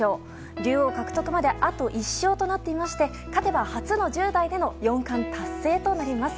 竜王獲得まであと１勝となっていまして勝てば初の１０代での四冠達成となります。